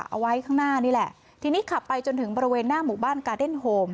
เอาไว้ข้างหน้านี่แหละทีนี้ขับไปจนถึงบริเวณหน้าหมู่บ้านกาเดนโฮม